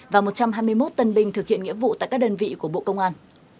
và một trăm hai mươi một tân binh thực hiện nghĩa vụ tại các đơn vị của bộ công an